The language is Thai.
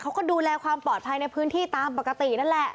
เขาก็ดูแลความปลอดภัยในพื้นที่ตามปกตินั่นแหละ